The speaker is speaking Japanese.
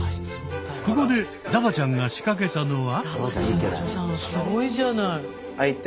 ここでダバちゃんが仕掛けたのは。